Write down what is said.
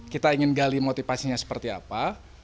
kita ingin gali motivasinya seperti apa